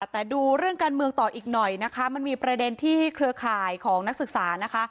แต่ดูเรื่องการเมืองต่ออีกหน่อยนะคะมันมีประเด็นที่เครือข่ายของนักศึกษานะคะ